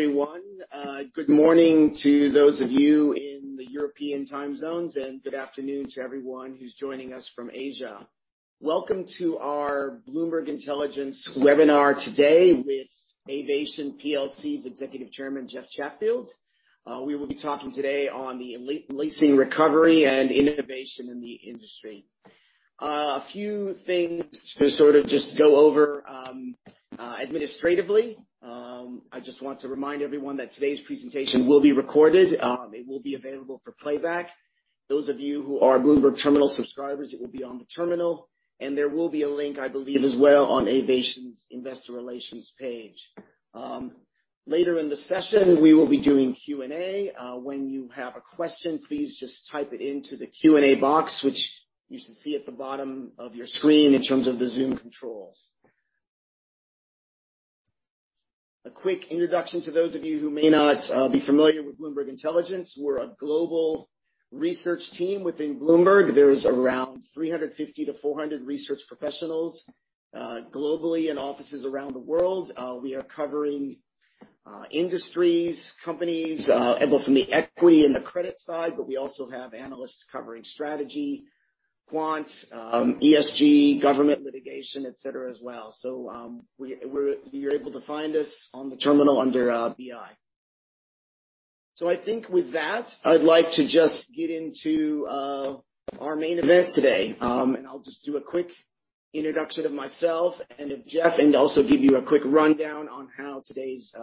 Hello, everyone. Good morning to those of you in the European time zones, and good afternoon to everyone who's joining us from Asia. Welcome to our Bloomberg Intelligence webinar today with Avation PLC's Executive Chairman, Jeff Chatfield. We will be talking today on the leasing recovery and innovation in the industry. A few things to sort of just go over administratively. I just want to remind everyone that today's presentation will be recorded. It will be available for playback. Those of you who are Bloomberg Terminal subscribers, it will be on the terminal, and there will be a link, I believe, as well on Avation's Investor Relations page. Later in the session, we will be doing Q&A. When you have a question, please just type it into the Q&A box, which you should see at the bottom of your screen in terms of the Zoom controls. A quick introduction to those of you who may not be familiar with Bloomberg Intelligence. We're a global research team within Bloomberg. There's around 350 to 400 research professionals globally in offices around the world. We are covering industries, companies, both from the equity and the credit side, but we also have analysts covering strategy, quant, ESG, government litigation, et cetera, as well. You're able to find us on the terminal under BI. I think with that, I'd like to just get into our main event today. I'll just do a quick introduction of myself and of Jeff, and also give you a quick rundown on how today's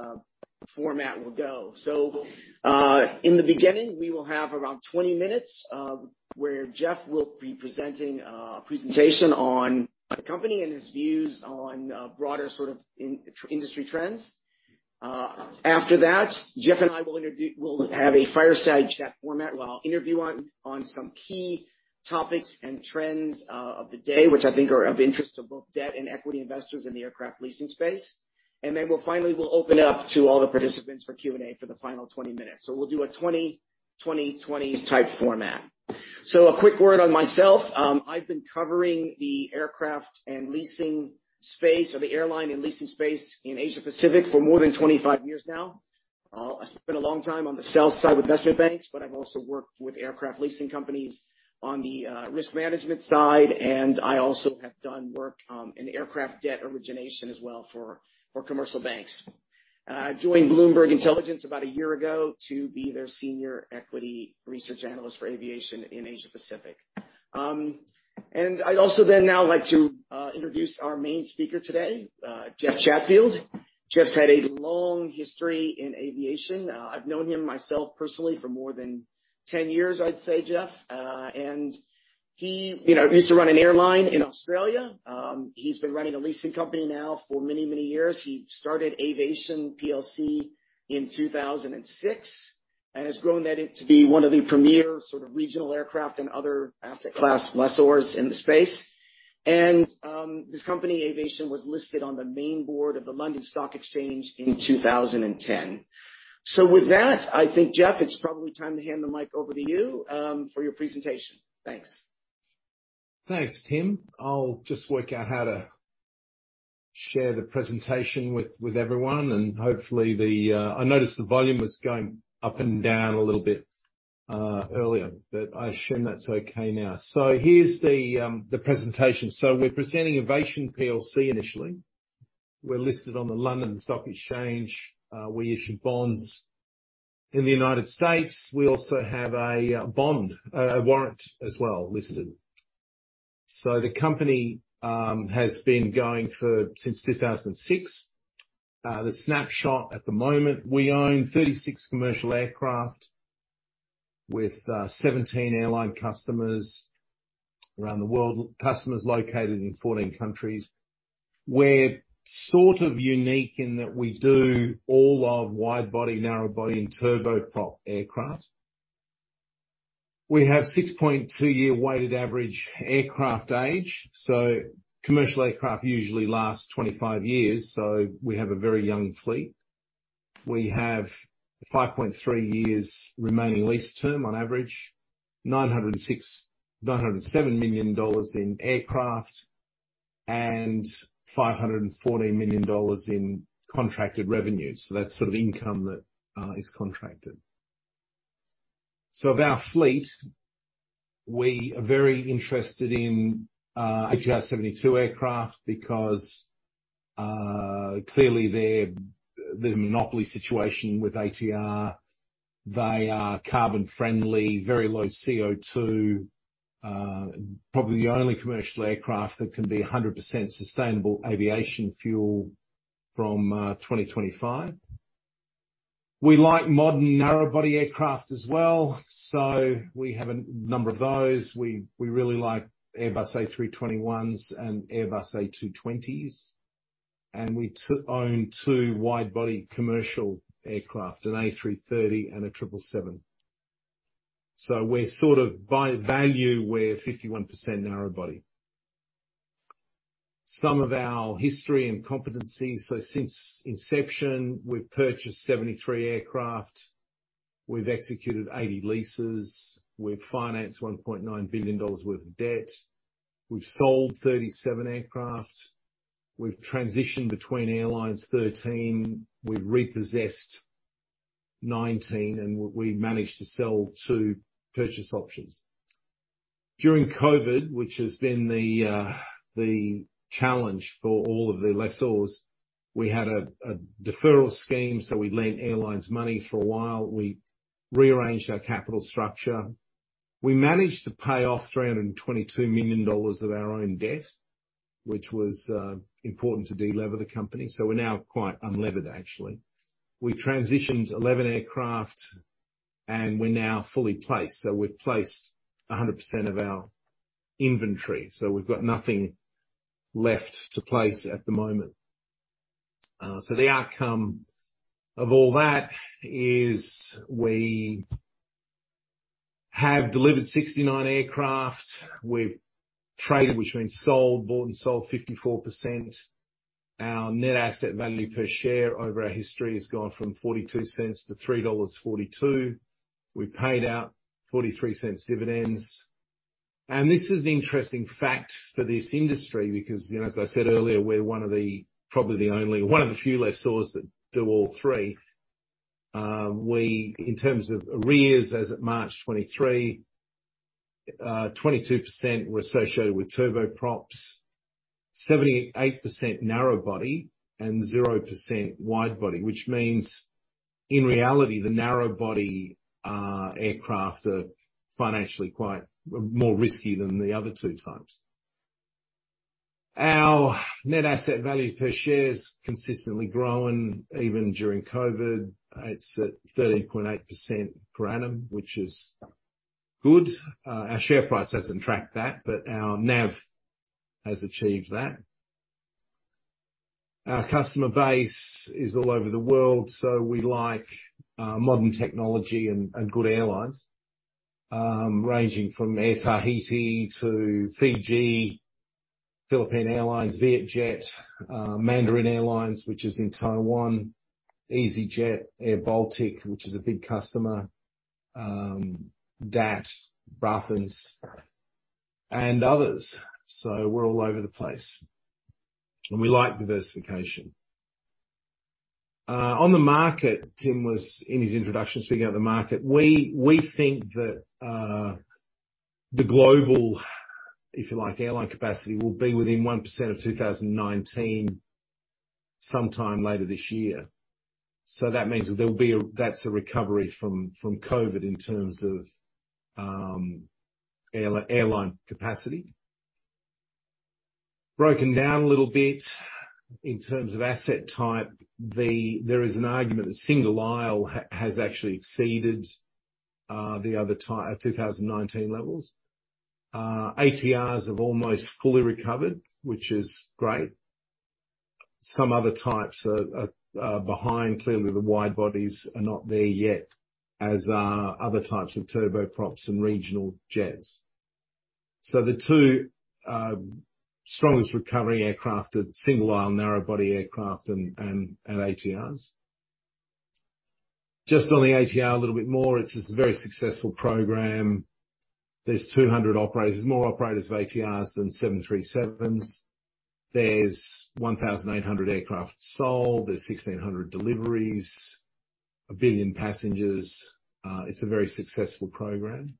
format will go. In the beginning, we will have around 20 minutes where Jeff will be presenting a presentation on the company and his views on broader sort of industry trends. After that, Jeff and I will have a fireside chat format where I'll interview on some key topics and trends of the day, which I think are of interest to both debt and equity investors in the aircraft leasing space. Then we'll finally open up to all the participants for Q&A for the final 20 minutes. We'll do a 20 20 20 type format. A quick word on myself. I've been covering the aircraft and leasing space or the airline and leasing space in Asia-Pacific for more than 25 years now. I spent a long time on the sales side with investment banks, but I've also worked with aircraft leasing companies on the risk management side, and I also have done work in aircraft debt origination as well for commercial banks. I joined Bloomberg Intelligence about a year ago to be their senior equity research analyst for aviation in Asia-Pacific. I'd also then now like to introduce our main speaker today, Jeff Chatfield. Jeff's had a long history in aviation. I've known him myself personally for more than 10 years, I'd say, Jeff. He, you know, used to run an airline in Australia. He's been running a leasing company now for many years. He started Avation PLC in 2006, and has grown that into be one of the premier sort of regional aircraft and other asset class lessors in the space. This company, Avation, was listed on the main board of the London Stock Exchange in 2010. With that, I think, Jeff, it's probably time to hand the mic over to you, for your presentation. Thanks. Thanks, Tim. I'll just work out how to share the presentation with everyone and hopefully the, I noticed the volume was going up and down a little bit earlier. I assume that's okay now. Here's the presentation. We're presenting Avation PLC initially. We're listed on the London Stock Exchange. We issue bonds in the United States. We also have a bond, a warrant as well listed. The company has been going for since 2006. The snapshot at the moment, we own 36 commercial aircraft with 17 airline customers around the world, customers located in 14 countries. We're sort of unique in that we do all our wide-body, narrow-body, and turboprop aircraft. We have 6.2 year weighted average aircraft age. Commercial aircraft usually last 25 years, so we have a very young fleet. We have 5.3 years remaining lease term on average, $907 million in aircraft, and $514 million in contracted revenues. That's sort of income that is contracted. Of our fleet, we are very interested in ATR 72 aircraft because clearly there's a monopoly situation with ATR. They are carbon friendly, very low CO2. Probably the only commercial aircraft that can be 100% sustainable aviation fuel from 2025. We like modern narrow-body aircraft as well, so we have a number of those. We really like Airbus A321s and Airbus A220s. We own two wide-body commercial aircraft, an A330 and a 777. We're sort of by value, we're 51% narrow-body. Some of our history and competencies. Since inception, we've purchased 73 aircraft. We've executed 80 leases. We've financed $1.9 billion worth of debt. We've sold 37 aircraft. We've transitioned between airlines, 13. We've repossessed 19, and we managed to sell two purchase options. During COVID, which has been the challenge for all of the lessors, we had a deferral scheme, so we lent airlines money for a while. We rearranged our capital structure. We managed to pay off $322 million of our own debt, which was important to delever the company, so we're now quite unlevered, actually. We transitioned 11 aircraft, and we're now fully placed. We've placed 100% of our inventory. We've got nothing left to place at the moment. The outcome of all that is we have delivered 69 aircraft. We've traded, which means sold, bought and sold 54%. Our net asset value per share over our history has gone from $0.42 to $3.42. We paid out $0.43 dividends. This is an interesting fact for this industry because, you know, as I said earlier, we're one of the few lessors that do all three. We, in terms of arrears as of March 2023, 22% were associated with turboprops, 78% narrow-body and 0% wide-body, which means, in reality, the narrow-body aircraft are financially quite, more risky than the other two types. Our net asset value per share has consistently grown, even during COVID. It's at 13.8% per annum, which is good. Our share price hasn't tracked that. Our NAV has achieved that. Our customer base is all over the world. We like modern technology and good airlines, ranging from Air Tahiti to Fiji, Philippine Airlines, Vietjet, Mandarin Airlines, which is in Taiwan, easyJet, airBaltic, which is a big customer, DAT, Braathens, and others. We're all over the place, and we like diversification. On the market, Tim was, in his introduction, speaking of the market, we think that the global, if you like, airline capacity will be within 1% of 2019 sometime later this year. That means that that's a recovery from COVID in terms of airline capacity. Broken down a little bit in terms of asset type, there is an argument that single-aisle has actually exceeded the other type 2019 levels. ATRs have almost fully recovered, which is great. Some other types are behind. Clearly, the wide-body are not there yet, as are other types of turboprops and regional jets. The two strongest recovery aircraft are single-aisle narrow-body aircraft and ATRs. Just on the ATR, a little bit more, it's this very successful program. There's 200 operators. There's more operators of ATRs than 737s. There's 1,800 aircraft sold. There's 1,600 deliveries. 1 billion passengers. It's a very successful program.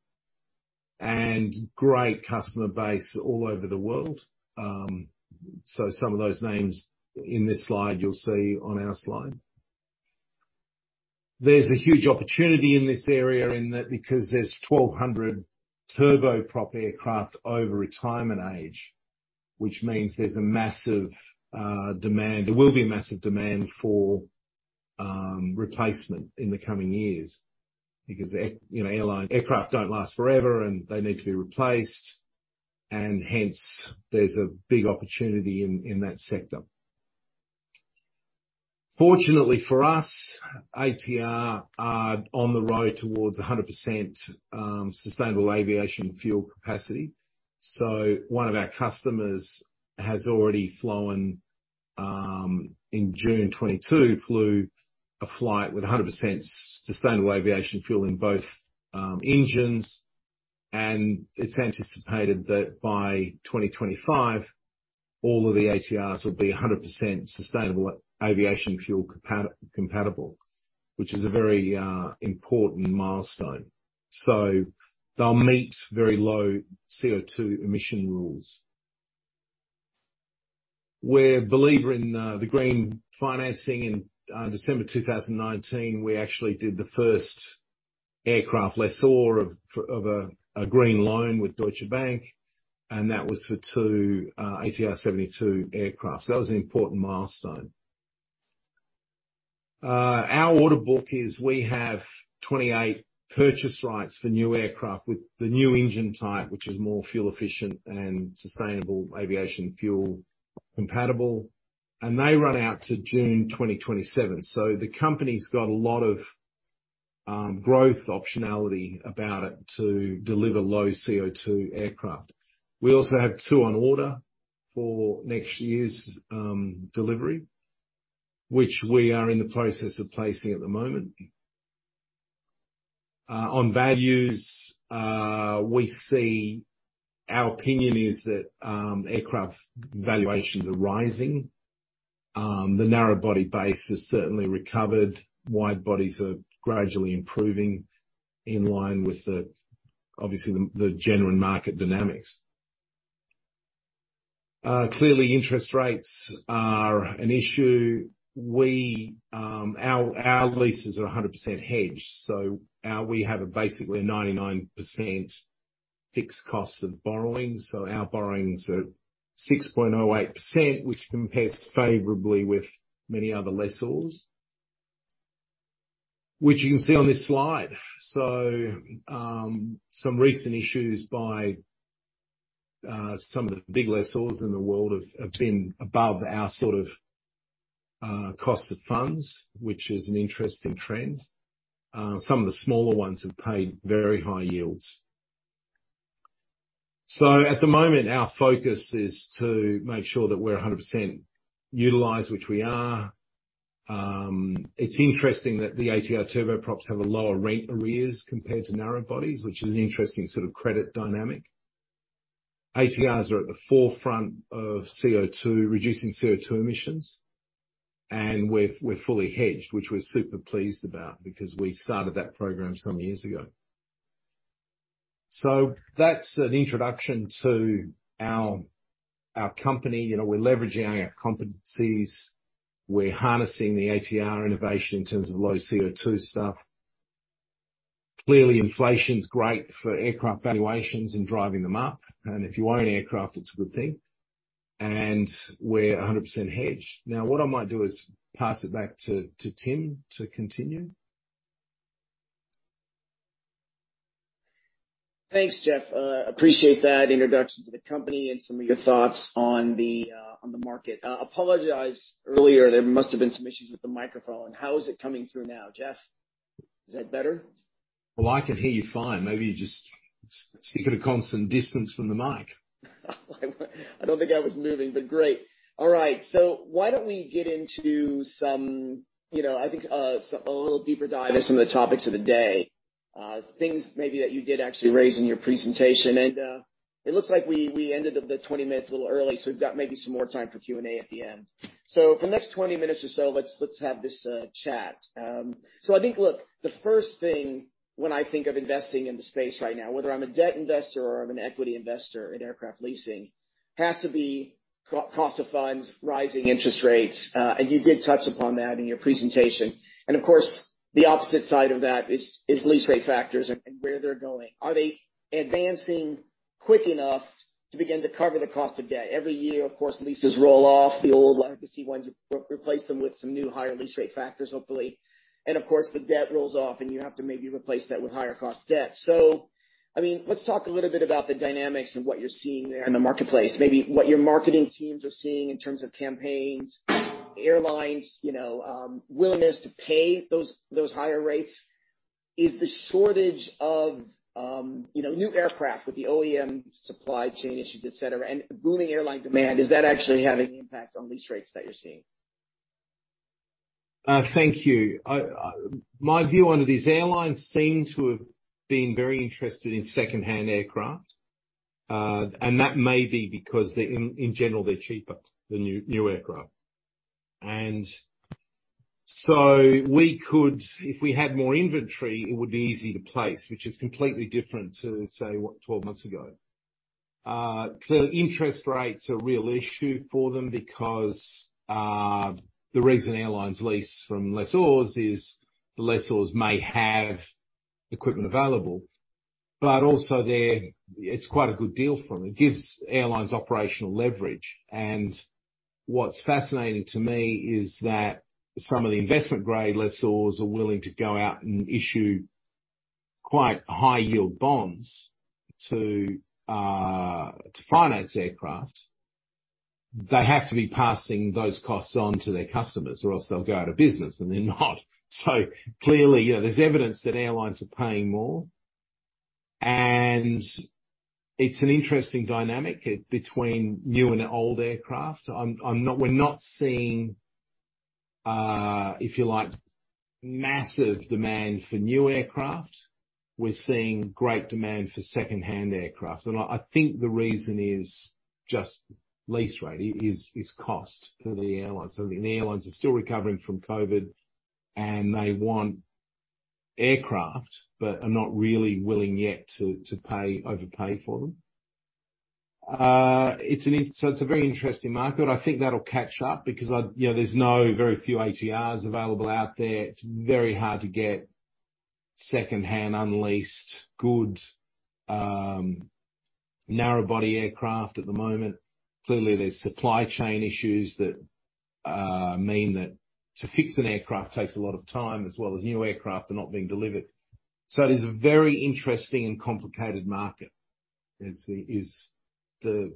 Great customer base all over the world. Some of those names in this slide, you'll see on our slide. There's a huge opportunity in this area in that because there's 1,200 turboprop aircraft over retirement age, which means there's a massive demand. There will be a massive demand for replacement in the coming years. Because you know, aircraft don't last forever, and they need to be replaced. Hence, there's a big opportunity in that sector. Fortunately for us, ATR are on the road towards 100% sustainable aviation fuel capacity. One of our customers has already flown in June 2022, flew a flight with 100% sustainable aviation fuel in both engines. It's anticipated that by 2025, all of the ATRs will be 100% sustainable aviation fuel compatible, which is a very important milestone. They'll meet very low CO2 emission rules. We're a believer in the green financing. In December 2019, we actually did the first aircraft lessor of a green loan with Deutsche Bank. That was for two ATR 72 aircraft. That was an important milestone. Our order book is we have 28 purchase rights for new aircraft with the new engine type, which is more fuel efficient and sustainable aviation fuel compatible. They run out to June 2027. The company's got a lot of growth optionality about it to deliver low CO2 aircraft. We also have two on order for next year's delivery, which we are in the process of placing at the moment. On values, we see our opinion is that aircraft valuations are rising. The narrow-body base has certainly recovered. Wide-bodies are gradually improving in line with the, obviously, the general market dynamics. Clearly, interest rates are an issue. We, our leases are 100% hedged, so we have a basically 99% fixed cost of borrowing. Our borrowing is at 6.08%, which compares favorably with many other lessors, which you can see on this slide. Some recent issues by some of the big lessors in the world have been above our sort of cost of funds, which is an interesting trend. Some of the smaller ones have paid very high yields. At the moment, our focus is to make sure that we're 100% utilized, which we are. It's interesting that the ATR turboprops have a lower rate arrears compared to narrow bodies, which is an interesting sort of credit dynamic. ATRs are at the forefront of CO2, reducing CO2 emissions. We're fully hedged, which we're super pleased about because we started that program some years ago. That's an introduction to our company. You know, we're leveraging our competencies. We're harnessing the ATR innovation in terms of low CO2 stuff. Clearly, inflation's great for aircraft valuations and driving them up. If you own aircraft, it's a good thing. We're 100% hedged. What I might do is pass it back to Tim to continue. Thanks, Jeff. Appreciate that introduction to the company and some of your thoughts on the market. I apologize earlier, there must have been some issues with the microphone. How is it coming through now? Jeff, is that better? Well, I can hear you fine. Maybe you just stick at a constant distance from the mic. I don't think I was moving, but great. All right, why don't we get into some, you know, I think, a little deeper dive into some of the topics of the day. Things maybe that you did actually raise in your presentation. It looks like we ended the 20 minutes a little early, so we've got maybe some more time for Q&A at the end. For the next 20 minutes or so, let's have this chat. I think, look, the first thing when I think of investing in the space right now, whether I'm a debt investor or I'm an equity investor in aircraft leasing, has to be co-cost of funds, rising interest rates. You did touch upon that in your presentation. Of course, the opposite side of that is lease rate factors and where they're going? Are they advancing quick enough to begin to cover the cost of debt? Every year, of course, leases roll off. The old legacy ones, re-replace them with some new higher lease rate factors, hopefully. Of course, the debt rolls off, and you have to maybe replace that with higher cost debt. I mean, let's talk a little bit about the dynamics and what you're seeing there in the marketplace. Maybe what your marketing teams are seeing in terms of campaigns, airlines, you know, willingness to pay those higher rates? Is the shortage of, you know, new aircraft with the OEM supply chain issues, et cetera, and booming airline demand, is that actually having an impact on lease rates that you're seeing? Thank you. My view on it is airlines seem to have been very interested in second-hand aircraft, that may be because they're, in general, they're cheaper than new aircraft. We could, if we had more inventory, it would be easy to place, which is completely different to, say, what? 12 months ago. Clearly interest rates are a real issue for them because the reason airlines lease from lessors is the lessors may have equipment available, but also it's quite a good deal for them. It gives airlines operational leverage. What's fascinating to me is that some of the investment-grade lessors are willing to go out and issue quite high-yield bonds to finance aircraft. They have to be passing those costs on to their customers or else they'll go out of business, and they're not. Clearly, you know, there's evidence that airlines are paying more. It's an interesting dynamic, between new and old aircraft. We're not seeing, if you like, massive demand for new aircraft. We're seeing great demand for second-hand aircraft. I think the reason is just lease rate, is cost for the airlines. I mean, the airlines are still recovering from COVID, and they want aircraft, but are not really willing yet to pay, overpay for them. It's a very interesting market. I think that'll catch up because, you know, there's no, very few ATRs available out there. It's very hard to get second-hand, unleased, good, narrow-body aircraft at the moment. Clearly, there's supply chain issues that mean that to fix an aircraft takes a lot of time, as well as new aircraft are not being delivered. It is a very interesting and complicated market, is the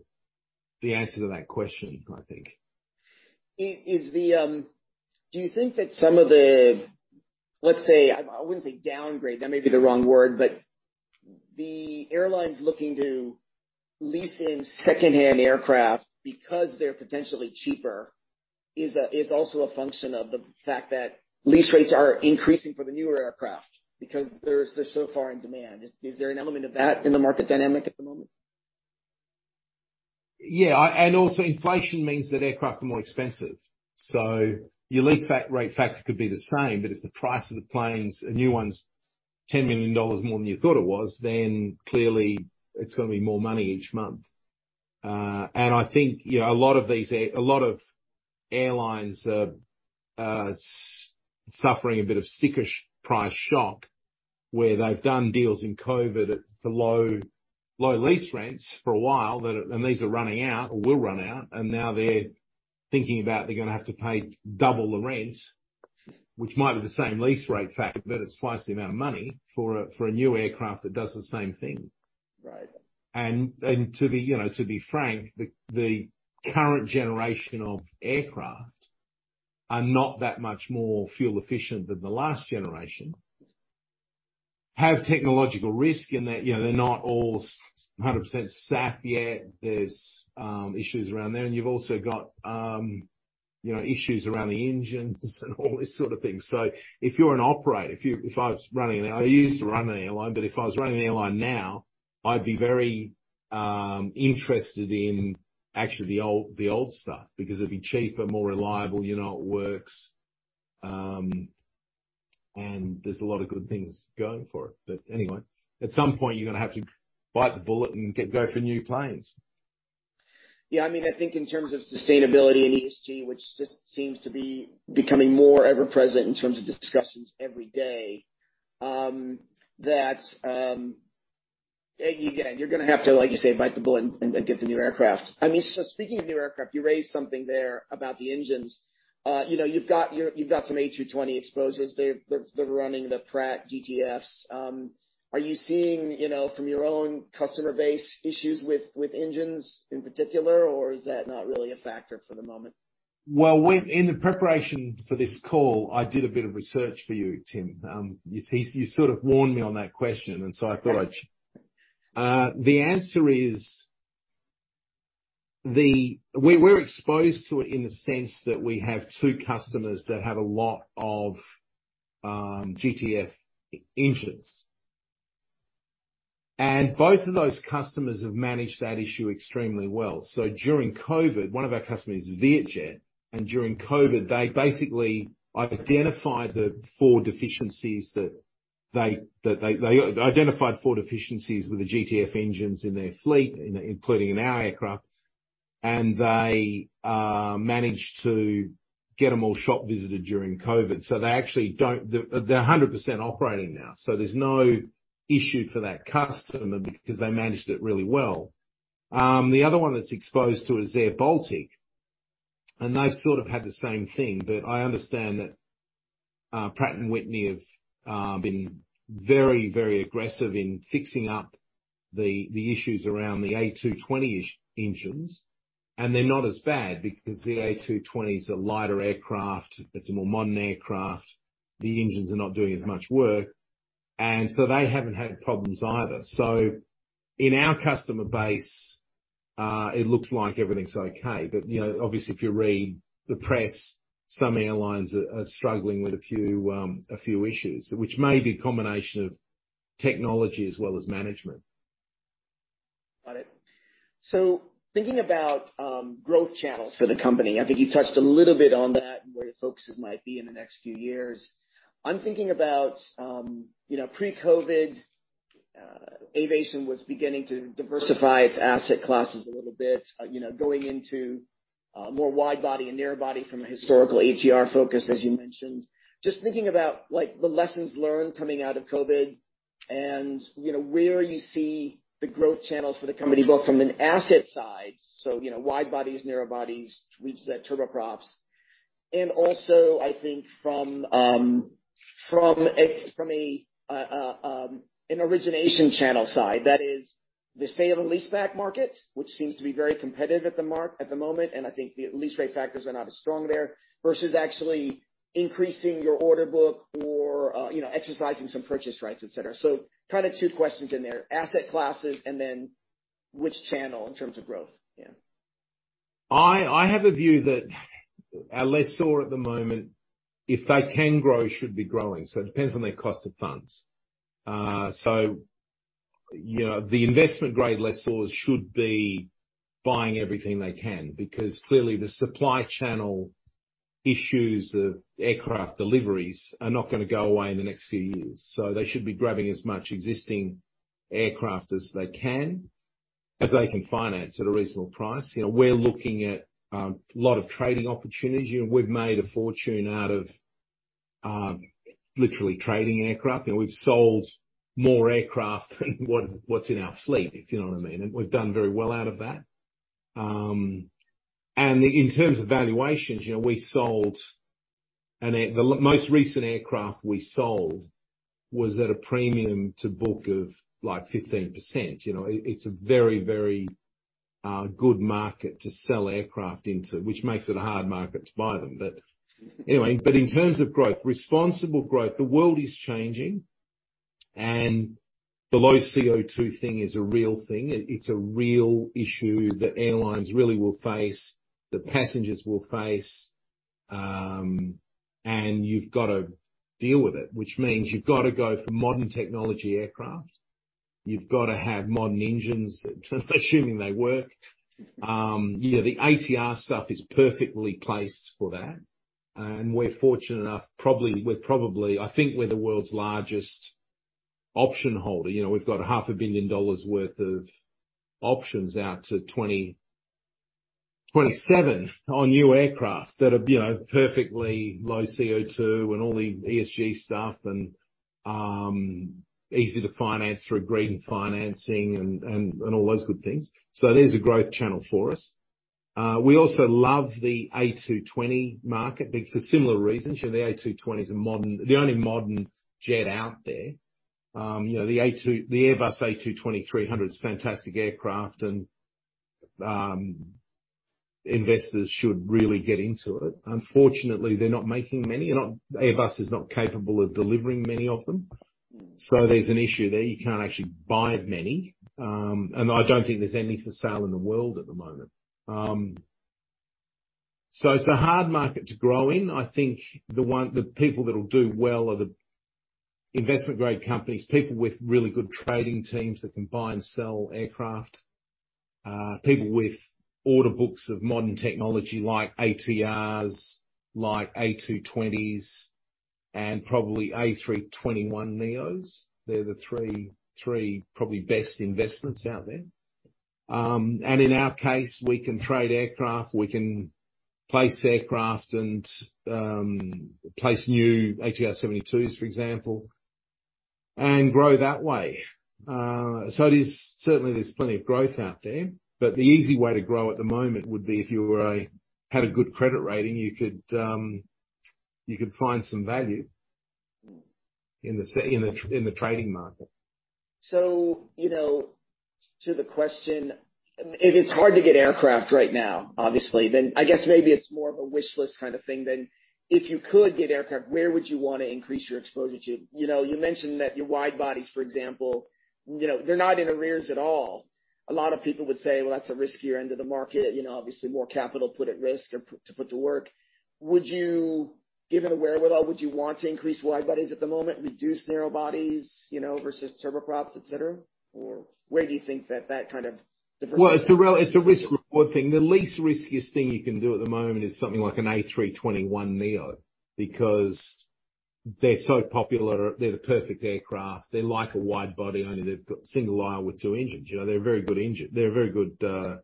answer to that question, I think. Is the, do you think that some of the, let's say, I wouldn't say downgrade, that may be the wrong word, but the airlines looking to lease in secondhand aircraft because they're potentially cheaper is also a function of the fact that lease rates are increasing for the newer aircraft because there's so far in demand? Is there an element of that in the market dynamic at the moment? Inflation means that aircraft are more expensive. Your lease rate factor could be the same. If the price of the planes, a new one's $10 million more than you thought it was, then clearly it's gonna be more money each month. I think, you know, a lot of these airlines are suffering a bit of sticker price shock where they've done deals in COVID at, for low, low lease rents for a while. These are running out or will run out, now they're thinking about they're gonna have to pay double the rent, which might be the same lease rate factor, it's twice the amount of money for a new aircraft that does the same thing. Right. To be, you know, to be frank, the current generation of aircraft are not that much more fuel efficient than the last generation. Have technological risk in that, you know, they're not all 100% SAF yet. There's issues around there. You've also got, you know, issues around the engines and all this sort of things. If you're an operator, if I was running an airline, I used to run an airline, but if I was running an airline now, I'd be very interested in actually the old stuff because it'd be cheaper, more reliable, you know how it works, and there's a lot of good things going for it. Anyway, at some point, you're gonna have to bite the bullet and go for new planes. Yeah. I mean, I think in terms of sustainability and ESG, which just seems to be becoming more ever present in terms of discussions every day, that again, you're gonna have to, like you say, bite the bullet and get the new aircraft. I mean, speaking of new aircraft, you raised something there about the engines. you know, you've got your, you've got some A220s. They're running the Pratt GTFs. Are you seeing, you know, from your own customer base issues with engines in particular, or is that not really a factor for the moment? Well, in the preparation for this call, I did a bit of research for you, Tim. You see, you sort of warned me on that question. I thought I'd. The answer is we're exposed to it in the sense that we have two customers that have a lot of GTF engines. Both of those customers have managed that issue extremely well. During COVID, one of our customers is Vietjet. During COVID, they basically identified four deficiencies with the GTF engines in their fleet, including in our aircraft, and they managed to get them all shop visited during COVID. They're 100% operating now. There's no issue for that customer because they managed it really well. The other one that's exposed to is airBaltic. They've sort of had the same thing. I understand that Pratt & Whitney have been very, very aggressive in fixing up the issues around the A220 engines, and they're not as bad because the A220 is a lighter aircraft. It's a more modern aircraft. The engines are not doing as much work. They haven't had problems either. In our customer base, it looks like everything's okay. You know, obviously, if you read the press, some airlines are struggling with a few issues, which may be a combination of technology as well as management. Got it. Thinking about growth channels for the company, I think you touched a little bit on that and where your focuses might be in the next few years. I'm thinking about, you know, pre-COVID, Avation was beginning to diversify its asset classes a little bit, you know, going into more wide body and narrow body from a historical ATR focus, as you mentioned. Just thinking about like the lessons learned coming out of COVID and, you know, where you see the growth channels for the company, both from an asset side, so, you know, wide bodies, narrow bodies, tweaks to the turboprops, and also I think from an origination channel side, that is the state of the leaseback market, which seems to be very competitive at the moment, and I think the lease rate factors are not as strong there, versus actually increasing your order book or, you know, exercising some purchase rights, et cetera. Kind of two questions in there, asset classes and then which channel in terms of growth, yeah. I have a view that our lessor at the moment, if they can grow, should be growing, so it depends on their cost of funds. You know, the investment grade lessors should be buying everything they can because clearly the supply channel issues of aircraft deliveries are not gonna go away in the next few years. They should be grabbing as much existing aircraft as they can, as they can finance at a reasonable price. You know, we're looking at a lot of trading opportunities. You know, we've made a fortune out of literally trading aircraft, and we've sold more aircraft than what's in our fleet, if you know what I mean. We've done very well out of that. In terms of valuations, you know, the most recent aircraft we sold was at a premium to book of, like, 15%. You know, it's a very, very good market to sell aircraft into, which makes it a hard market to buy them. Anyway. In terms of growth, responsible growth, the world is changing and the low CO2 thing is a real thing. It's a real issue that airlines really will face, that passengers will face, you've gotta deal with it, which means you've gotta go for modern technology aircraft. You've gotta have modern engines, assuming they work. You know, the ATR stuff is perfectly placed for that, we're fortunate enough, we're probably I think we're the world's largest option holder. You know, we've got a half a billion dollars worth of options out to 2027 on new aircraft that are, you know, perfectly low CO2 and all the ESG stuff and easy to finance through green financing and all those good things. There's a growth channel for us. We also love the A220 market for similar reasons. You know, the A220 is the only modern jet out there. You know, the Airbus A220-300 is a fantastic aircraft and investors should really get into it. Unfortunately, they're not making many. Airbus is not capable of delivering many of them. There's an issue there. You can't actually buy many. I don't think there's any for sale in the world at the moment. It's a hard market to grow in. I think the people that will do well are the investment grade companies, people with really good trading teams that can buy and sell aircraft. People with order books of modern technology like ATRs, like A220s and probably A321neos. They're the three probably best investments out there. And in our case, we can trade aircraft, we can place aircraft and place new ATR 72s, for example, and grow that way. Certainly, there's plenty of growth out there. The easy way to grow at the moment would be if you had a good credit rating, you could find some value in the trading market. You know, to the question, if it's hard to get aircraft right now, obviously, then I guess maybe it's more of a wish list kind of thing than if you could get aircraft, where would you wanna increase your exposure to? You mentioned that your wide-bodies, for example, you know, they're not in arrears at all. A lot of people would say, "Well, that's a riskier end of the market." You know, obviously, more capital put at risk or to put to work. Would you, given the wherewithal, would you want to increase wide-bodies at the moment, reduce narrow-bodies, you know, versus turboprops, et cetera? Where do you think that kind of diversification. Well, it's a risk reward thing. The least riskiest thing you can do at the moment is something like an A321neo, because they're so popular. They're the perfect aircraft. They're like a wide-body only they've got single-aisle with two engines. You know, they're very good. They're a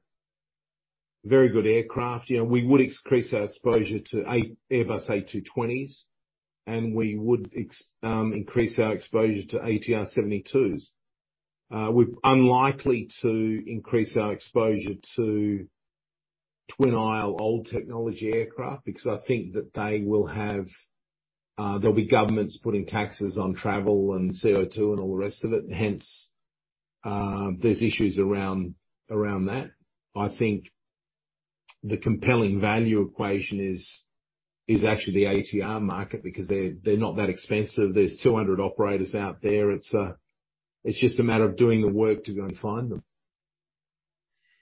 very good aircraft. You know, we would increase our exposure to Airbus A220s, and we would increase our exposure to ATR 72s. We're unlikely to increase our exposure to twin-aisle old technology aircraft because I think that they will have, there'll be governments putting taxes on travel and CO2 and all the rest of it, and hence, there's issues around that. I think the compelling value equation is actually the ATR market because they're not that expensive. There's 200 operators out there. It's just a matter of doing the work to go and find them.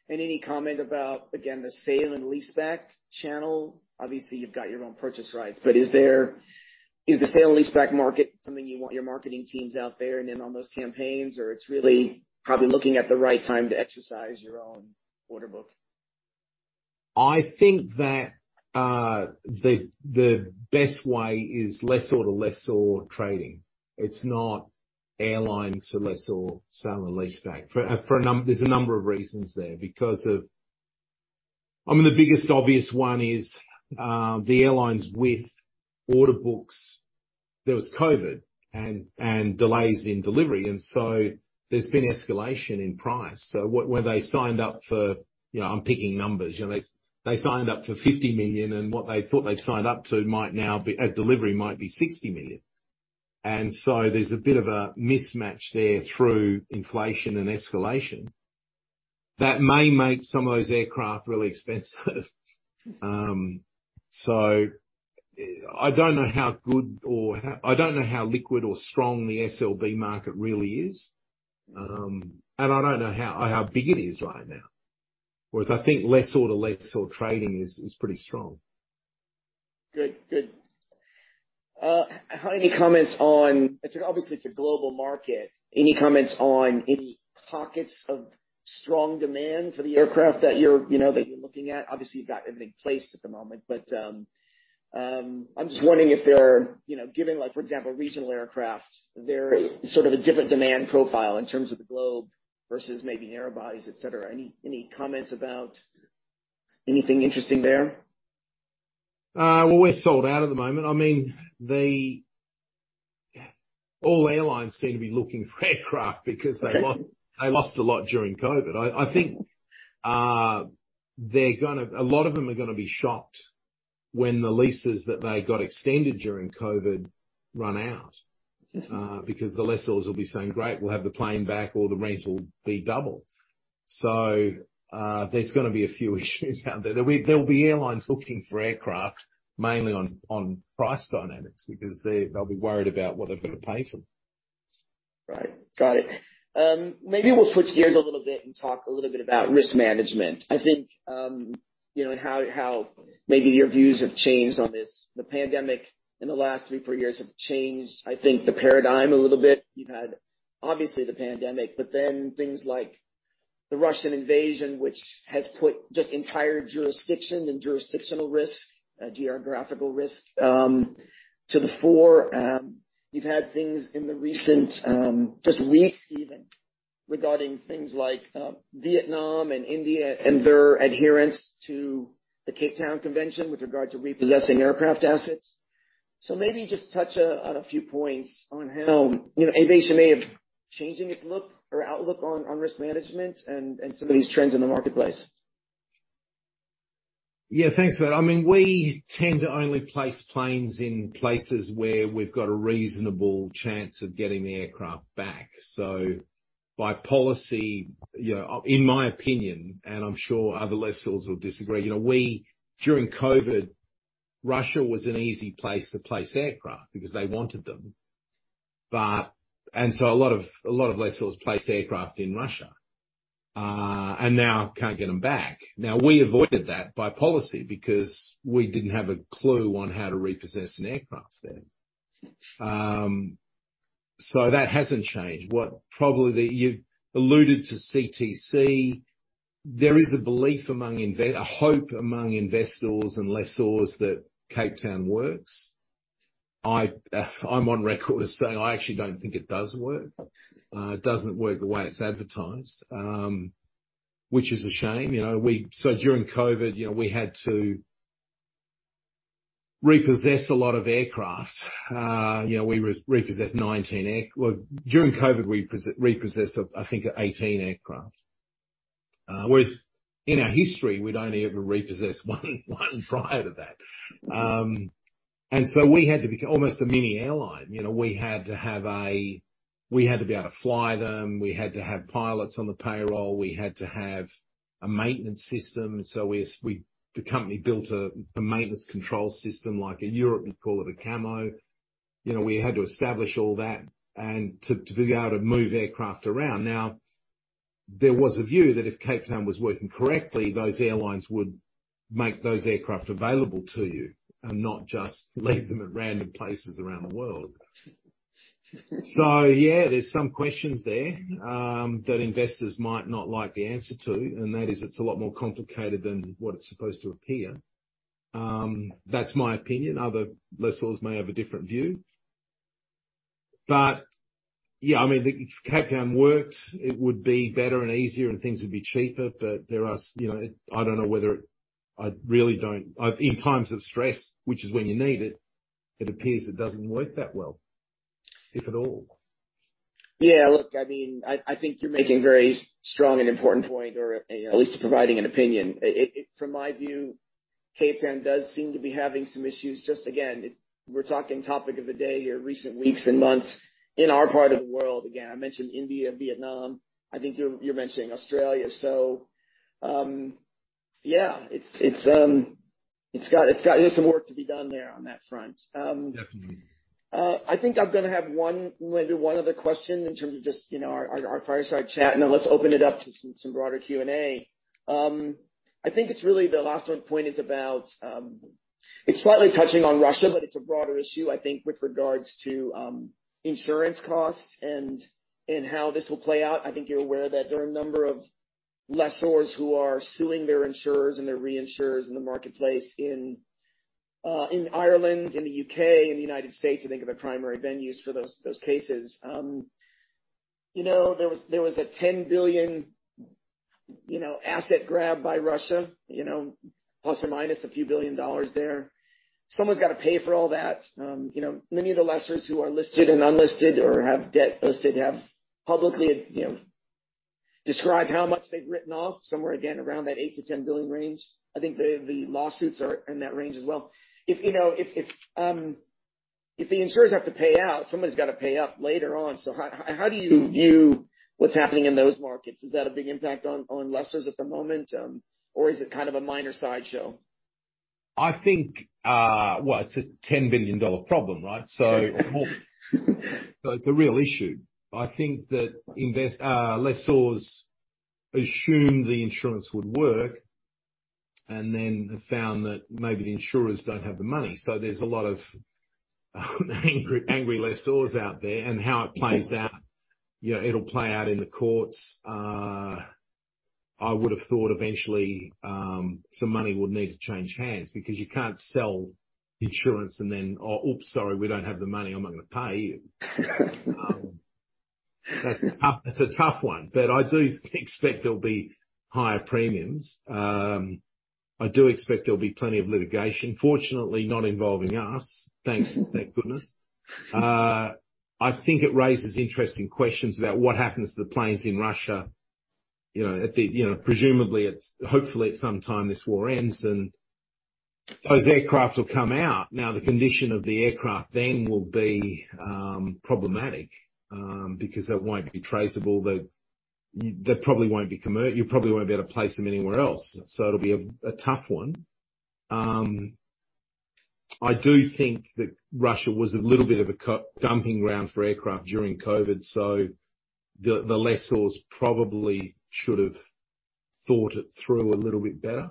Any comment about, again, the sale and leaseback channel? Obviously, you've got your own purchase rights. Is the sale and leaseback market something you want your marketing teams out there and in on those campaigns? It's really probably looking at the right time to exercise your own order book? I think that the best way is lessor to lessor trading. It's not airline to lessor sale and leaseback. There's a number of reasons there. I mean, the biggest obvious one is the airlines with order books, there was COVID and delays in delivery, there's been escalation in price. When they signed up for, you know, I'm picking numbers, you know, they signed up for $50 million, and what they thought they'd signed up to might now be, at delivery, might be $60 million. There's a bit of a mismatch there through inflation and escalation that may make some of those aircraft really expensive. I don't know how good or I don't know how liquid or strong the SLB market really is. I don't know how big it is right now. Whereas I think lessor to lessor trading is pretty strong. Good. Good. Any comments on, obviously, it's a global market. Any comments on any pockets of strong demand for the aircraft that you're, you know, that you're looking at? Obviously, you've got everything placed at the moment, but I'm just wondering if there are, you know, given, like, for example, regional aircraft, they're sort of a different demand profile in terms of the globe versus maybe narrow-bodies, et cetera. Any comments about anything interesting there? Well, we're sold out at the moment. I mean, All airlines seem to be looking for aircraft because they lost a lot during COVID. I think, A lot of them are gonna be shocked when the leases that they got extended during COVID run out, because the lessors will be saying, "Great, we'll have the plane back," or the rates will be doubled. There's gonna be a few issues out there. There'll be airlines looking for aircraft mainly on price dynamics because they'll be worried about what they're gonna pay for them. Right. Got it. Maybe we'll switch gears a little bit and talk a little bit about risk management. I think, you know, and how maybe your views have changed on this. The pandemic in the last three, four years have changed, I think, the paradigm a little bit. You've had obviously the pandemic, things like the Russian invasion, which has put just entire jurisdiction and jurisdictional risk, geographical risk, to the fore. You've had things in the recent, just weeks even regarding things like Vietnam and India and their adherence to the Cape Town Convention with regard to repossessing aircraft assets. Maybe just touch on a few points on how, you know, Avation may have changing its look or outlook on risk management and some of these trends in the marketplace. Yeah, thanks for that. I mean, we tend to only place planes in places where we've got a reasonable chance of getting the aircraft back. By policy, you know, in my opinion, and I'm sure other lessors will disagree. You know, during COVID, Russia was an easy place to place aircraft because they wanted them. A lot of lessors placed aircraft in Russia, and now can't get them back. We avoided that by policy because we didn't have a clue on how to repossess an aircraft there. That hasn't changed. You alluded to CTC. There is a belief among a hope among investors and lessors that Cape Town works. I'm on record as saying I actually don't think it does work. It doesn't work the way it's advertised, which is a shame. You know, during COVID, you know, we had to repossess a lot of aircraft. You know, we repossessed 19. Well, during COVID, we repossessed, I think 18 aircraft. Whereas in our history we'd only ever repossessed one, one prior to that. We had to become almost a mini airline. You know, we had to be able to fly them, we had to have pilots on the payroll, we had to have a maintenance system. The company built a maintenance control system. Like in Europe, we call it a CAMO. You know, we had to establish all that and to be able to move aircraft around. There was a view that if Cape Town was working correctly, those airlines would make those aircraft available to you and not just leave them at random places around the world. Yeah, there's some questions there that investors might not like the answer to, and that is it's a lot more complicated than what it's supposed to appear. That's my opinion. Other lessors may have a different view. Yeah, I mean, if Cape Town worked, it would be better and easier and things would be cheaper. There are, you know, I don't know whether, I really don't. In times of stress, which is when you need it appears it doesn't work that well, if at all. Yeah. Look, I mean, I think you're making very strong and important point or at least providing an opinion. From my view, Cape Town does seem to be having some issues. Just again, if we're talking topic of the day here, recent weeks and months in our part of the world. Again, I mentioned India, Vietnam. I think you're mentioning Australia. Yeah, it's got some work to be done there on that front. Definitely. I think I'm gonna have one, maybe one other question in terms of just, you know, our fireside chat, and then let's open it up to some broader Q&A. I think it's really the last point is about, it's slightly touching on Russia, but it's a broader issue, I think, with regards to insurance costs and how this will play out. I think you're aware that there are a number of lessors who are suing their insurers and their reinsurers in the marketplace in Ireland, in the U.K., in the United States, I think are the primary venues for those cases. you know, there was a $10 billion, you know, asset grab by Russia, you know, plus or minus a few billion dollars there. Someone's gotta pay for all that. You know, many of the lessors who are listed and unlisted or have debt listed have publicly, you know, described how much they've written off, somewhere again, around that $8 billion-$10 billion range. I think the lawsuits are in that range as well. If, you know, if the insurers have to pay out, somebody's gotta pay up later on. How do you view what's happening in those markets? Is that a big impact on lessors at the moment? Is it kind of a minor sideshow? I think, well, it's a $10 billion problem, right? It's a real issue. I think that lessors assume the insurance would work and then have found that maybe the insurers don't have the money. There's a lot of angry lessors out there. How it plays out, you know, it'll play out in the courts. I would have thought eventually, some money would need to change hands because you can't sell insurance and then, "Oh, oops, sorry, we don't have the money. I'm not gonna pay you." That's a tough one, but I do expect there'll be higher premiums. I do expect there'll be plenty of litigation, fortunately not involving us. Thank goodness. I think it raises interesting questions about what happens to the planes in Russia. You know, at the, you know, presumably hopefully at some time this war ends and those aircraft will come out. The condition of the aircraft then will be problematic because they won't be traceable. They probably won't be able to place them anywhere else. It'll be a tough one. I do think that Russia was a little bit of a dumping ground for aircraft during COVID. The lessors probably should have thought it through a little bit better.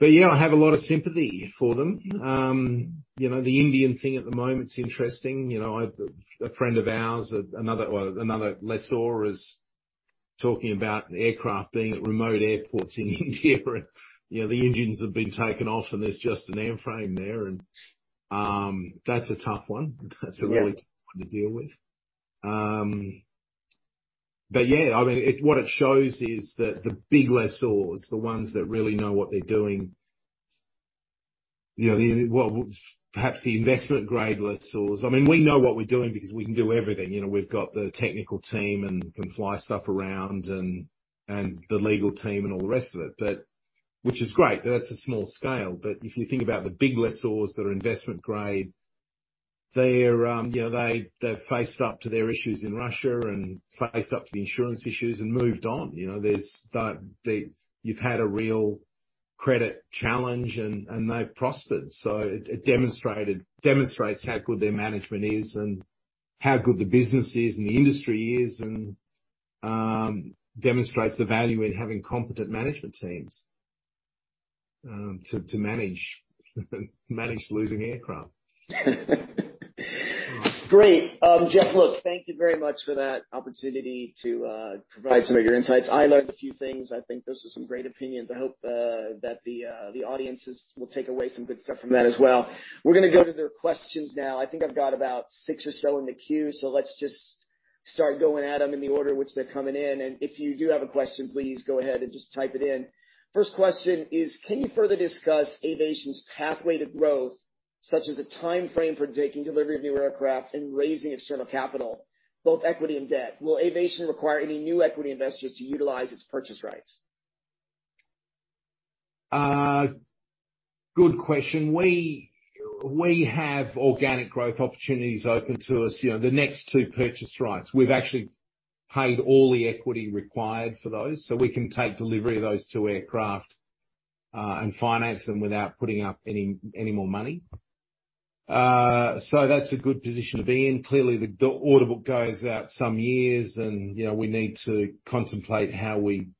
Yeah, I have a lot of sympathy for them. You know, the Indian thing at the moment is interesting. You know, a friend of ours, another, well, another lessor is talking about an aircraft being at remote airports in India, where, you know, the engines have been taken off, and there's just an airframe there. That's a tough one. Yeah. That's a really tough one to deal with. Yeah, I mean, what it shows is that the big lessors, the ones that really know what they're doing, you know, the perhaps the investment grade lessors. I mean, we know what we're doing because we can do everything. You know, we've got the technical team and can fly stuff around and the legal team and all the rest of it, which is great. That's a small scale. If you think about the big lessors that are investment grade, they're, you know, they've faced up to their issues in Russia and faced up to the insurance issues and moved on. You know, there's that, you've had a real credit challenge and they've prospered. It demonstrated, demonstrates how good their management is and how good the business is and the industry is, and demonstrates the value in having competent management teams to manage losing aircraft. Great. Jeff, thank you very much for that opportunity to provide some of your insights. I learned a few things. I think those are some great opinions. I hope that the audiences will take away some good stuff from that as well. We're going to go to their questions now. I think I've got about six or so in the queue, let's just start going at them in the order which they're coming in. If you do have a question, please go ahead and just type it in. First question is, can you further discuss Avation's pathway to growth, such as the timeframe for taking delivery of new aircraft and raising external capital, both equity and debt? Will Avation require any new equity investors to utilize its purchase rights? Good question. We have organic growth opportunities open to us. You know, the next two purchase rights. We've actually paid all the equity required for those, so we can take delivery of those two aircraft and finance them without putting up any more money. So that's a good position to be in. Clearly, the order book goes out some years and, you know, we need to contemplate how we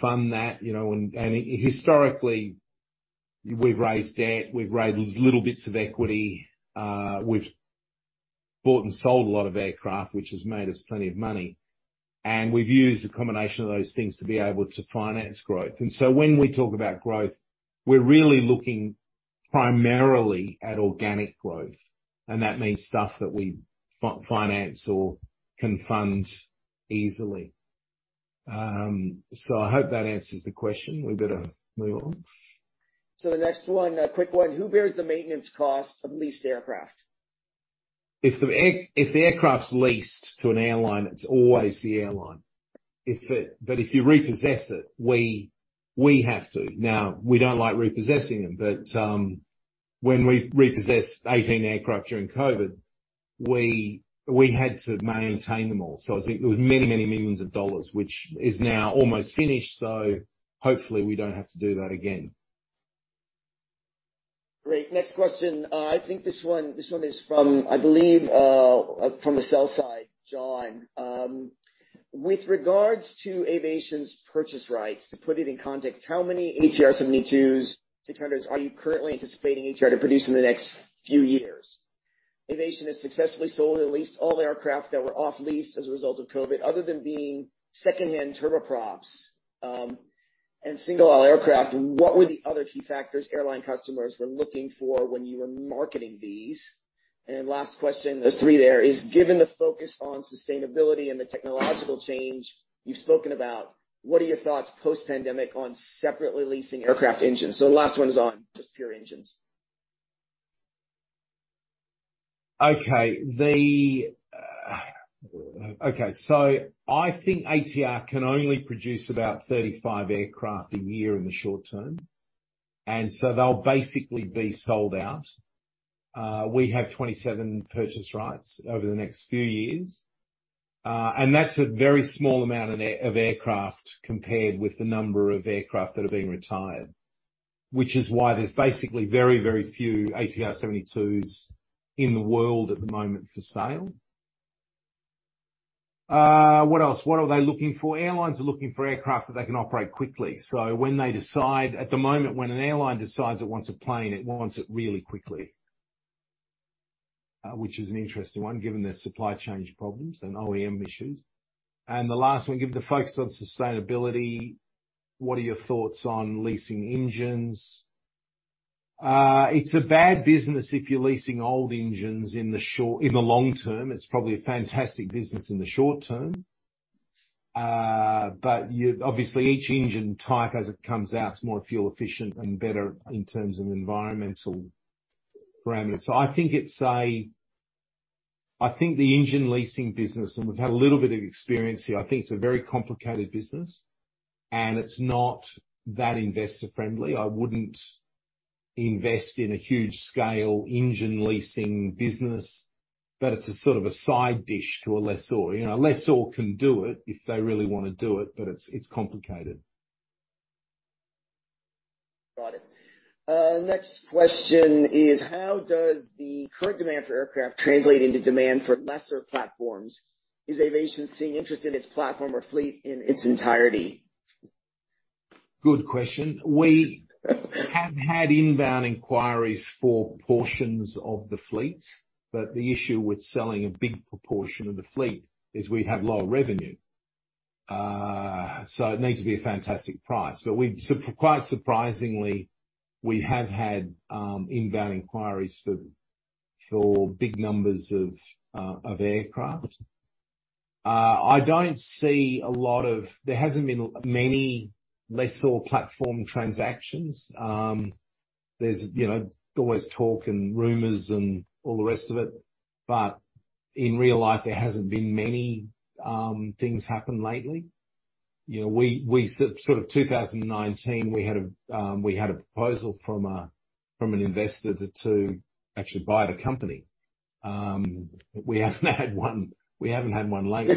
fund that, you know. Historically, we've raised debt, we've raised little bits of equity, we've bought and sold a lot of aircraft, which has made us plenty of money, and we've used a combination of those things to be able to finance growth. When we talk about growth, we're really looking primarily at organic growth, and that means stuff that we finance or can fund easily. I hope that answers the question. We better move on. The next one, a quick one. Who bears the maintenance cost of leased aircraft? If the aircraft's leased to an airline, it's always the airline. If you repossess it, we have to. We don't like repossessing them, but when we repossessed 18 aircraft during COVID, we had to maintain them all. I think it was many millions of dollars, which is now almost finished. Hopefully we don't have to do that again. Great. Next question. I think this one is from, I believe, from the sell side, John. With regards to Avation's purchase rights, to put it in context, how many ATR 72-600s are you currently anticipating ATR to produce in the next few years? Avation has successfully sold or leased all the aircraft that were off lease as a result of COVID. Other than being secondhand turboprops, and single-aisle aircraft, what were the other key factors airline customers were looking for when you were marketing these? Last question, there's three there, is given the focus on sustainability and the technological change you've spoken about, what are your thoughts post-pandemic on separately leasing aircraft engines? The last one is on just pure engines. I think ATR can only produce about 35 aircraft a year in the short term, they'll basically be sold out. We have 27 purchase rights over the next few years, and that's a very small amount of aircraft compared with the number of aircraft that are being retired. Which is why there's basically very, very few ATR 72s in the world at the moment for sale. What else? What are they looking for? Airlines are looking for aircraft that they can operate quickly. When they decide-- At the moment, when an airline decides it wants a plane, it wants it really quickly, which is an interesting one given their supply chain problems and OEM issues. The last one, given the focus on sustainability, what are your thoughts on leasing engines? It's a bad business if you're leasing old engines in the long term. It's probably a fantastic business in the short term. Obviously, each engine type as it comes out is more fuel efficient and better in terms of environmental parameters. I think the engine leasing business, and we've had a little bit of experience here, I think it's a very complicated business, and it's not that investor-friendly. I wouldn't invest in a huge scale engine leasing business, but it's a sort of a side dish to a lessor. You know, a lessor can do it if they really wanna do it, but it's complicated. Got it. Next question is: How does the current demand for aircraft translate into demand for lessor platforms? Is Avation seeing interest in its platform or fleet in its entirety? Good question. We have had inbound inquiries for portions of the fleet, but the issue with selling a big proportion of the fleet is we'd have lower revenue. It'd need to be a fantastic price. Quite surprisingly, we have had inbound inquiries for big numbers of aircraft. There hasn't been many lessor platform transactions. There's, you know, always talk and rumors and all the rest of it. In real life, there hasn't been many things happen lately. You know, we sort of, 2019, we had a proposal from an investor to actually buy the company. We haven't had one, we haven't had one lately.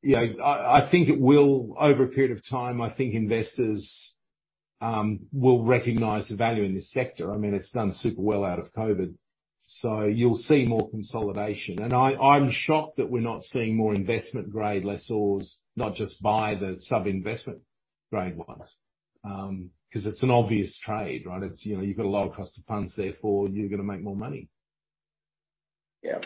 You know, I think over a period of time, I think investors will recognize the value in this sector. I mean, it's done super well out of COVID. You'll see more consolidation. I'm shocked that we're not seeing more investment-grade lessors, not just buy the sub-investment grade ones, 'cause it's an obvious trade, right? It's, you know, you've got a lower cost of funds, therefore you're gonna make more money. Yeah.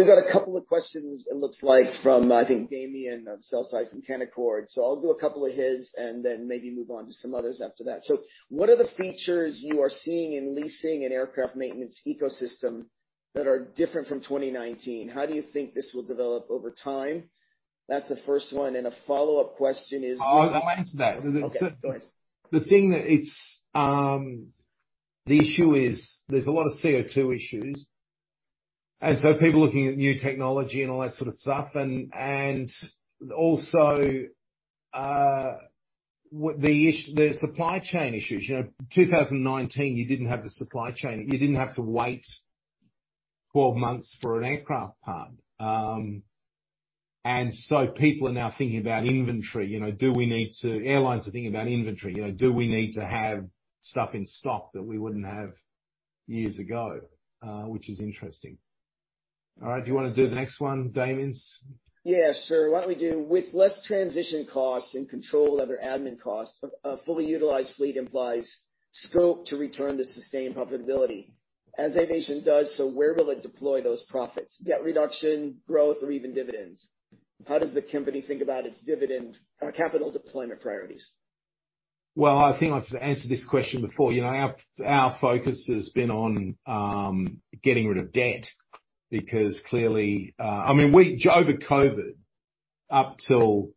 We've got a couple of questions it looks like from, I think, Damian of sell-side from Canaccord. I'll do a couple of his and then maybe move on to some others after that. What are the features you are seeing in leasing and aircraft maintenance ecosystem that are different from 2019? How do you think this will develop over time? That's the first one, a follow-up question is. Oh, I'll answer that. Okay. Go ahead. The issue is there's a lot of CO2 issues, so people are looking at new technology and all that sort of stuff. Also, what the supply chain issues. You know, 2019, you didn't have the supply chain. You didn't have to wait 12 months for an aircraft part. So people are now thinking about inventory. You know, do we need to. Airlines are thinking about inventory. You know, do we need to have stuff in stock that we wouldn't have years ago? Which is interesting. All right. Do you wanna do the next one, Damian? Yeah, sure. Why don't we do with less transition costs and control over admin costs, a fully utilized fleet implies scope to return to sustained profitability. As Avation does, where will it deploy those profits? Debt reduction, growth, or even dividends? How does the company think about its dividend, capital deployment priorities? Well, I think I've answered this question before. You know, our focus has been on getting rid of debt because clearly, I mean, over COVID, up till